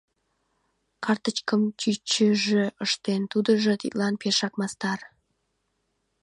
Картычкым чӱчӱжӧ ыштен, тудыжо тидлан пешак мастар.